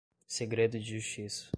segredo de justiça